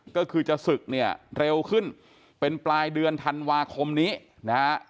ก็คือจะศึกเนี่ยเร็วขึ้นเป็นปลายเดือนธันวาคมนี้นะฮะ